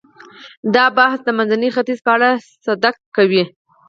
دا بحث د منځني ختیځ په اړه صدق کوي.